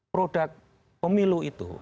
produk pemilu itu